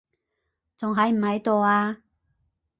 仲喺唔喺度啊？